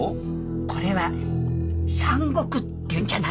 これは山国っていうんじゃないの？